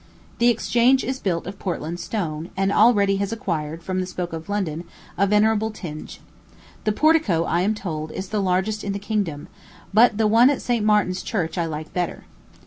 The Exchange is built of Portland stone, and already has acquired, from the smoke of London, a venerable tinge. The portico, I am told, is the largest in the kingdom; but the one at St. Martin's Church I like better.